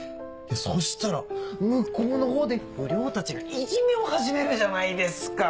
そしたら向こうのほうで不良たちがいじめを始めるじゃないですか。